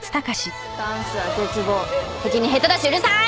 ダンスは絶望的に下手だしうるさい！